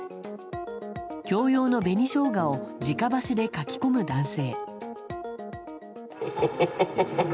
共用の紅ショウガを直箸でかき込む男性。